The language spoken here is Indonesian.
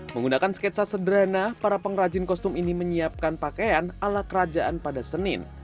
menggunakan sketsa sederhana para pengrajin kostum ini menyiapkan pakaian ala kerajaan pada senin